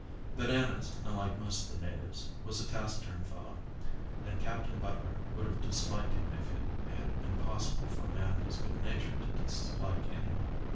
Bananas, unlike most of the natives, was a taciturn fellow and Captain Butler would have disliked him if it had been possible for a man of his good nature to dislike anyone.